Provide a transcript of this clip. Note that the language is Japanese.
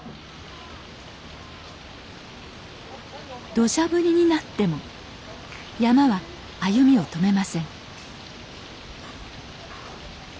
どしゃ降りになっても山車は歩みを止めません